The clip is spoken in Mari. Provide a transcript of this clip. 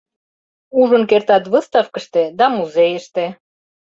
Ужын кертат выставкыште да музейыште.